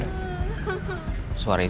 tante tahu om tante tahu